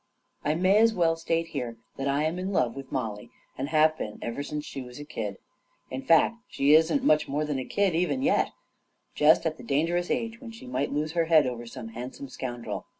. I may as well state here that I am in love with Mollie, and have been ever since she was a kid. In 21 22 A KING IN BABYLON fact, she isn't much more than a kid, even yet ! Just at the dangerous age when she might lose her head over some handsome scoundrel.